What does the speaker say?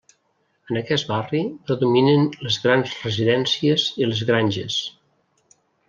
En aquest barri predominen les grans residències i les granges.